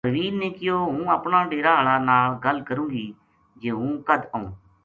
پروین نے کہیو ہوں اپنا ڈیرا ہالا نال گل کروں گی جے ہوں کد آؤں